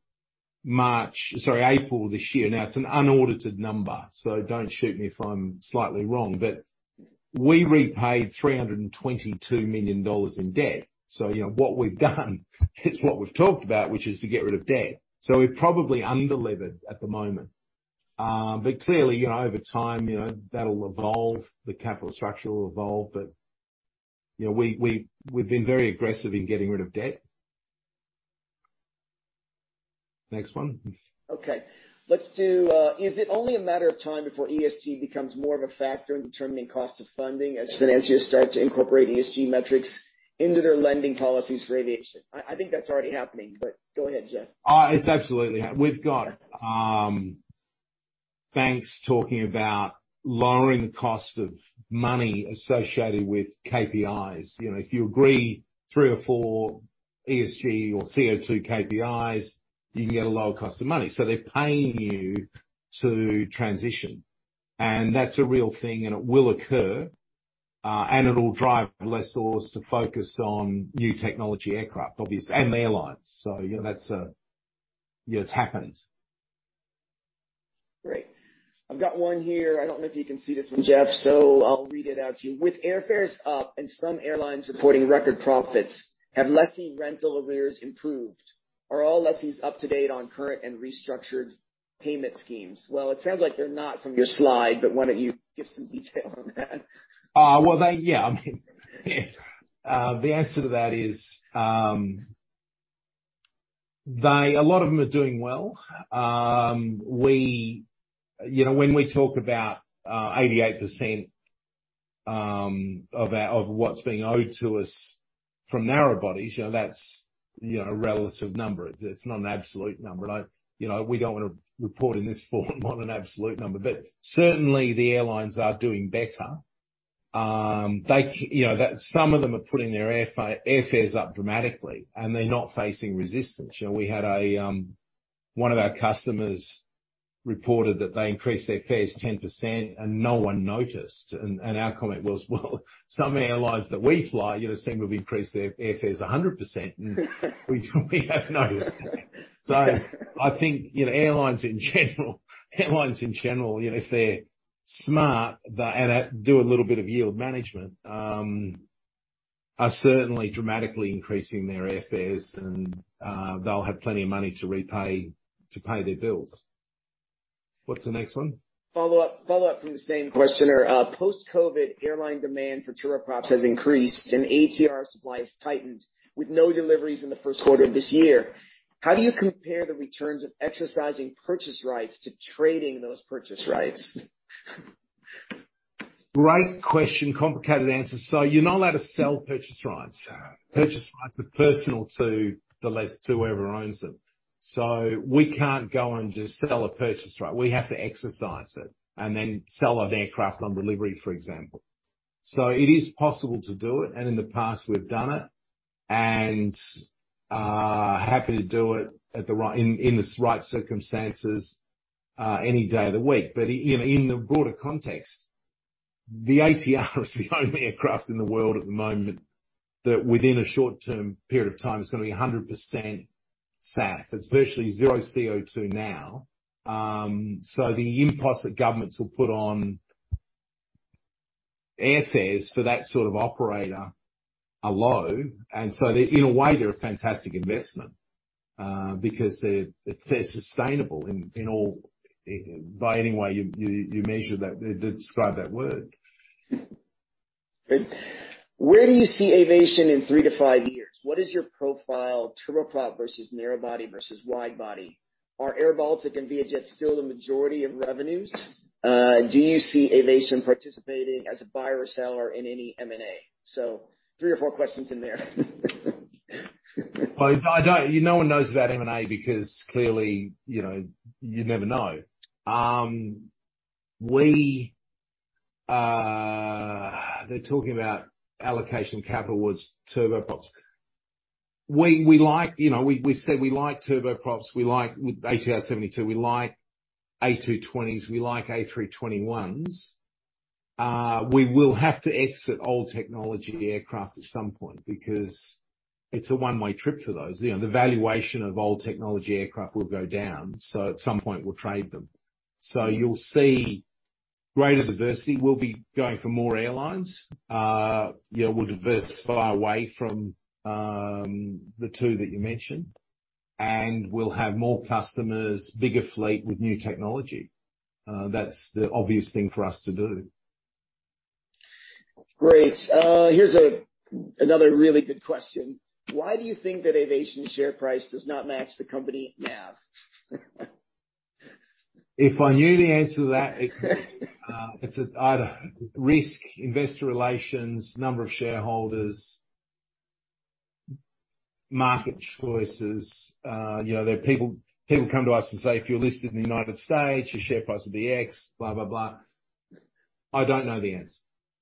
March, sorry, April this year, now it's an unaudited number, so don't shoot me if I'm slightly wrong, but we repaid $322 million in debt. You know, what we've done is what we've talked about, which is to get rid of debt. We're probably under-levered at the moment. Clearly, you know, over time, you know, that'll evolve. The capital structure will evolve. You know, we've been very aggressive in getting rid of debt. Next one. Okay. Let's do: Is it only a matter of time before ESG becomes more of a factor in determining cost of funding as financiers start to incorporate ESG metrics into their lending policies for Avation? I think that's already happening. Go ahead, Jeff. We've got banks talking about lowering the cost of money associated with KPIs. You know, if you agree three or four ESG or CO2 KPIs, you can get a lower cost of money. They're paying you to transition. That's a real thing, and it will occur, and it'll drive lessors to focus on new technology aircraft, obviously, and the airlines. You know, that's, you know, it's happened. Great. I've got one here. I don't know if you can see this one, Jeff, so I'll read it out to you. With airfares up and some airlines reporting record profits, have lessee rental arrears improved? Are all lessees up to date on current and restructured payment schemes? Well, it sounds like they're not from your slide, but why don't you give some detail on that? Well, they, yeah. I mean, yeah. The answer to that is, A lot of them are doing well. We, you know, when we talk about 88% of what's being owed to us from narrow bodies, you know, that's, you know, a relative number. It's not an absolute number. Like, you know, we don't wanna report in this form on an absolute number. Certainly, the airlines are doing better. They, you know, Some of them are putting their airfares up dramatically, and they're not facing resistance. You know, we had a One of our customers reported that they increased their fares 10% and no one noticed. Our comment was, "Well, some airlines that we fly, you know, seem to have increased their airfares 100%, and we have noticed." I think, you know, airlines in general, you know, if they're smart, they and do a little bit of yield management, are certainly dramatically increasing their airfares, and they'll have plenty of money to pay their bills. What's the next one? Follow-up, follow-up from the same questioner. Post-COVID, airline demand for turboprops has increased and ATR supply has tightened with no deliveries in the first quarter of this year. How do you compare the returns of exercising purchase rights to trading those purchase rights? Great question, complicated answer. You're not allowed to sell purchase rights. Purchase rights are personal to whoever owns them. We can't go and just sell a purchase right. We have to exercise it and then sell an aircraft on delivery, for example. It is possible to do it, and in the past we've done it, and happy to do it in this right circumstances any day of the week. You know, in the broader context, the ATR is the only aircraft in the world at the moment that within a short-term period of time is gonna be 100% SAF. It's virtually zero CO2 now. The impost that governments will put on airfares for that sort of operator are low. In a way, they're a fantastic investment, because they're sustainable in all, by any way you describe that word. Great. Where do you see Avation in three to five years? What is your profile, turboprop versus narrow-body versus wide-body? Are airBaltic and Vietjet still the majority of revenues? Do you see Avation participating as a buyer or seller in any M&A? Three or four questions in there. Well, I don't. No one knows about M&A because clearly, you know, you never know. They're talking about allocation of capital towards turboprops. We like. You know, we've said we like turboprops. We like ATR 72, we like A220s, we like A321s. We will have to exit old technology aircraft at some point because it's a one-way trip for those. You know, the valuation of old technology aircraft will go down. At some point we'll trade them. You'll see greater diversity. We'll be going for more airlines. Yeah, we'll diversify away from the two that you mentioned. We'll have more customers, bigger fleet with new technology. That's the obvious thing for us to do. Great. Here's another really good question. Why do you think that Avation share price does not match the company NAV? If I knew the answer to that, it's either risk, investor relations, number of shareholders, market choices. You know, there are people come to us and say, "If you're listed in the United States, your share price will be X," blah, blah. I don't know the answer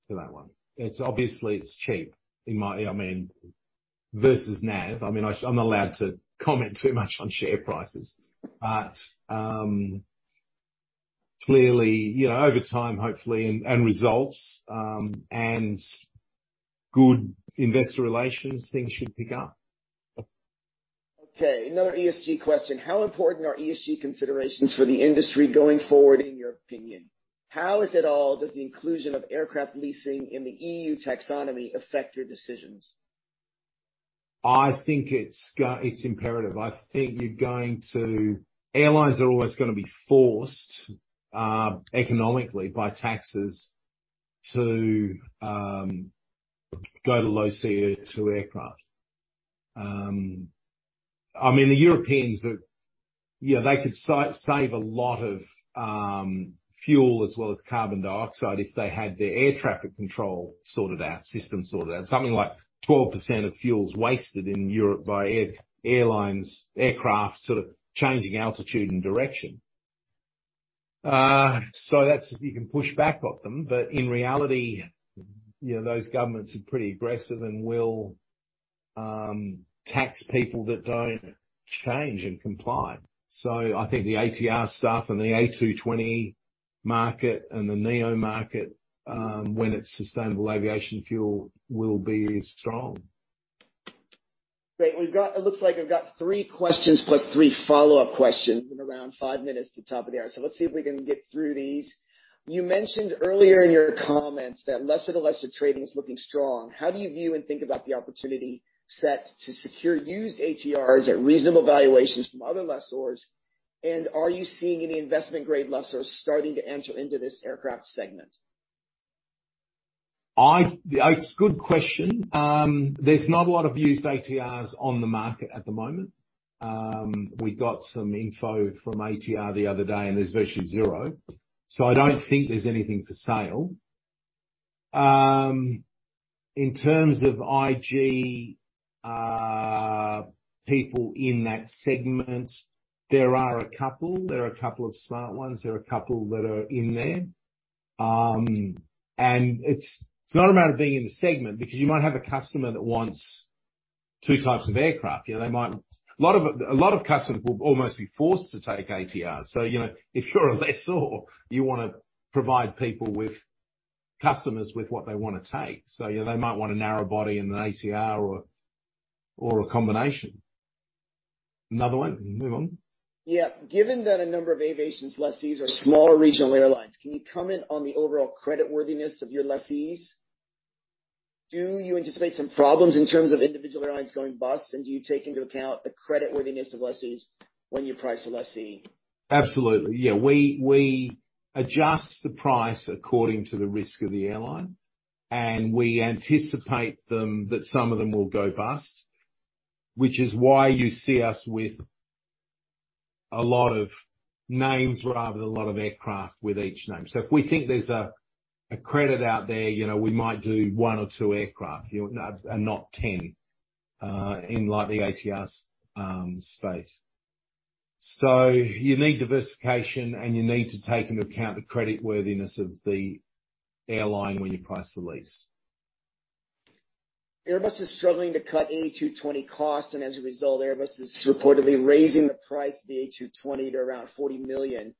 to that one. It's obviously it's cheap I mean, versus nav. I mean, I'm not allowed to comment too much on share prices. Clearly, you know, over time, hopefully, and results, and good investor relations, things should pick up. Okay, another ESG question. How important are ESG considerations for the industry going forward in your opinion? Does the inclusion of aircraft leasing in the EU Taxonomy affect your decisions? I think it's imperative. I think Airlines are always gonna be forced, economically by taxes to go to low CO2 aircraft. I mean, the Europeans are, you know, they could save a lot of fuel as well as carbon dioxide if they had their air traffic control sorted out, system sorted out. Something like 12% of fuel is wasted in Europe by airlines, aircraft sort of changing altitude and direction. You can push back on them. In reality, you know, those governments are pretty aggressive and will tax people that don't change and comply. I think the ATR stuff and the A220 market and the NEO market, when it's sustainable aviation fuel will be strong. Great. It looks like we've got three questions plus three follow-up questions in around five minutes to top of the hour. Let's see if we can get through these. You mentioned earlier in your comments that lessor-to-lessor trading is looking strong. How do you view and think about the opportunity set to secure used ATRs at reasonable valuations from other lessors? And are you seeing any investment-grade lessors starting to enter into this aircraft segment? It's a good question. There's not a lot of used ATRs on the market at the moment. We got some info from ATR the other day, there's virtually zero. I don't think there's anything for sale. In terms of IG, people in that segment, there are a couple. There are a couple of smart ones. There are a couple that are in there. It's, it's not a matter of being in the segment because you might have a customer that wants two types of aircraft. You know, a lot of customers will almost be forced to take ATR. You know, if you're a lessor, you wanna provide customers with what they wanna take. You know, they might want a narrow-body and an ATR or a combination. Another one? Move on. Yeah. Given that a number of Avation's lessees are smaller regional airlines, can you comment on the overall creditworthiness of your lessees? Do you anticipate some problems in terms of individual airlines going bust? Do you take into account the creditworthiness of lessees when you price a lessee? Absolutely. Yeah. We adjust the price according to the risk of the airline, and we anticipate them that some of them will go bust. Which is why you see us with a lot of names rather than a lot of aircraft with each name. If we think there's a credit out there, you know, we might do one or two aircraft, you know, and not 10 in like the ATRs space. You need diversification, and you need to take into account the creditworthiness of the airline when you price the lease. Airbus is struggling to cut A220 costs, and as a result, Airbus is reportedly raising the price of the A220 to around $40 million.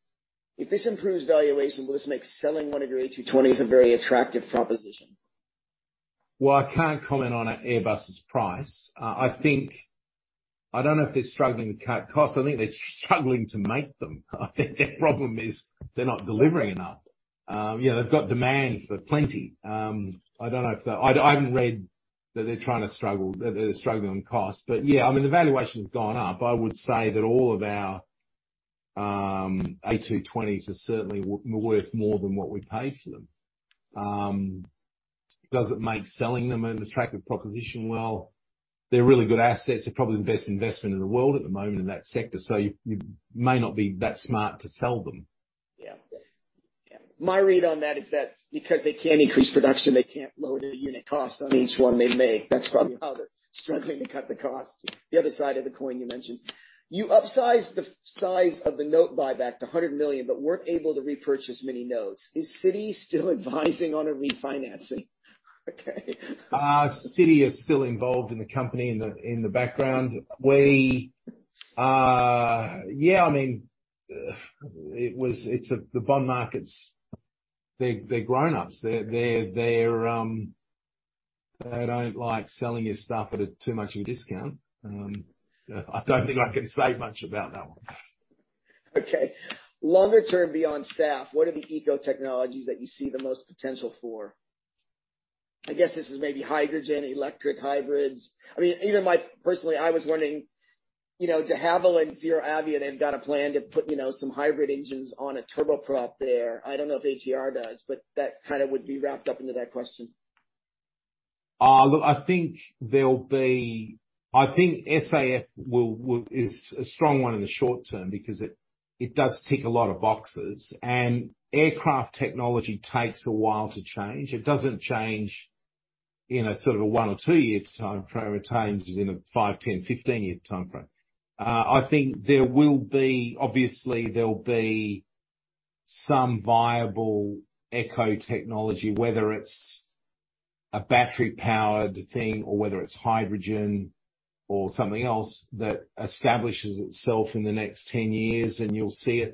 If this improves valuation, will this make selling one of your A220s a very attractive proposition? Well, I can't comment on Airbus' price. I don't know if they're struggling to cut costs. I think they're struggling to make them. I think their problem is they're not delivering enough. Yeah, they've got demand for plenty. I don't know if they're, I haven't read that they're trying to struggle, that they're struggling on cost. Yeah, I mean, the valuation's gone up. I would say that all of our A220s are certainly worth more than what we paid for them. Does it make selling them an attractive proposition? Well, they're really good assets. They're probably the best investment in the world at the moment in that sector, so you may not be that smart to sell them. Yeah. Yeah. My read on that is that because they can't increase production, they can't lower their unit costs on each one they make. That's probably how they're struggling to cut the costs. The other side of the coin you mentioned. You upsized the size of the note buyback to $100 million, but weren't able to repurchase many notes. Is Citi still advising on a refinancing? Okay. Citi is still involved in the company in the, in the background. We. Yeah, I mean, It's the bond markets. They're grown-ups. They're, they don't like selling you stuff at too much of a discount. I don't think I can say much about that one. Longer term, beyond SAF, what are the eco technologies that you see the most potential for? I guess this is maybe hydrogen, electric hybrids. I mean, even Personally, I was wondering, you know, De Havilland ZeroAvia, they've got a plan to put, you know, some hybrid engines on a turboprop there. I don't know if ATR does, but that kinda would be wrapped up into that question. Look, I think SAF will is a strong one in the short term because it does tick a lot of boxes. Aircraft technology takes a while to change. It doesn't change in a sort of a one or two-year timeframe. It changes in a five, 10, 15 year timeframe. I think obviously, there'll be some viable eco technology, whether it's a battery-powered thing, or whether it's hydrogen or something else that establishes itself in the next 10 years, and you'll see it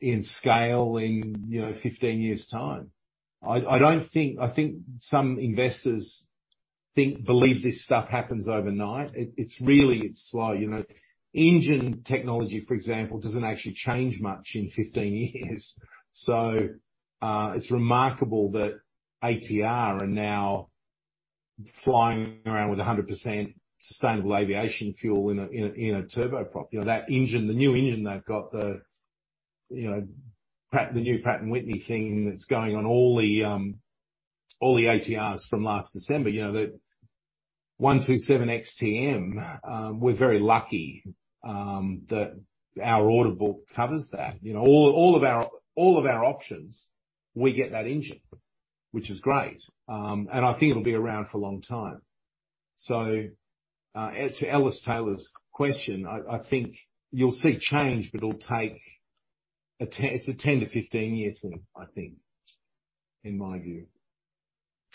in scale in, you know, 15 years' time. I think some investors think, believe this stuff happens overnight. It's really, it's slow, you know. Engine technology, for example, doesn't actually change much in 15 years. It's remarkable that ATR are now flying around with 100% sustainable aviation fuel in a turboprop. You know, that engine, the new engine they've got, the new Pratt & Whitney thing that's going on all the ATRs from last December. You know, the PW127XT-M, we're very lucky that our order book covers that. You know, all of our options, we get that engine, which is great. I think it'll be around for a long time. To Ellis Taylor's question, I think you'll see change, but it's a 10-15 year thing, I think, in my view.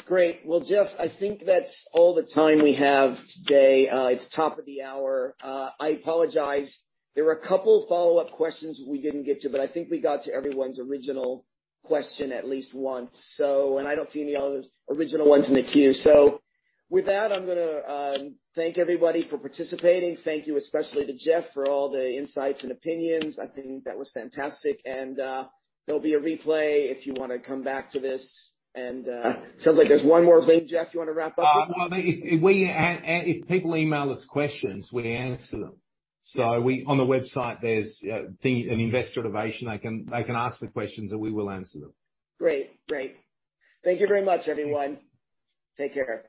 Great. Well, Jeff, I think that's all the time we have today. It's top of the hour. I apologize. There were two of follow-up questions we didn't get to, but I think we got to everyone's original question at least once. I don't see any other original ones in the queue. With that, I'm gonna thank everybody for participating. Thank you especially to Jeff for all the insights and opinions. I think that was fantastic. Sounds like there's one more thing, Jeff, you wanna wrap up with? Well, if people email us questions, we answer them. Yes. On the website, there's an Investor Relations. They can ask the questions, and we will answer them. Great. Great. Thank you very much, everyone. Take care.